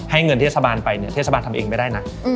ให้เงินเทศบาลไปเทศบาลทำเองไม่ได้นะ